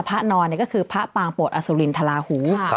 นอนก็คือพระปางโปรดอสุรินทราหู